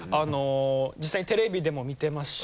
実際にテレビでも見てますし。